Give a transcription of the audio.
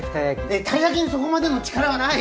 えったい焼きにそこまでの力はない！